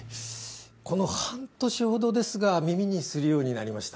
この半年ほどですが耳にするようになりました